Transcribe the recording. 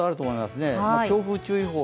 強風注意報が、